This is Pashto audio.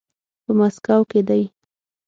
په ماسکو کې دی.